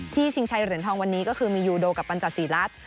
ชิงชัยเหรียญทองวันนี้ก็คือมียูโดกับปัญจศรีรัฐ